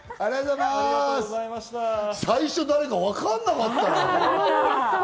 最初、誰かわからなかった。